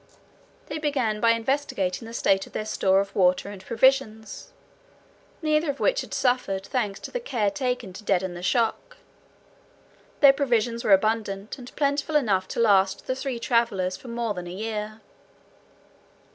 They began by investigating the state of their store of water and provisions, neither of which had suffered, thanks to the care taken to deaden the shock. Their provisions were abundant, and plentiful enough to last the three travelers for more than a year.